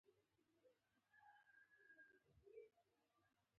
• د ښارونو نفوس ډېر شو.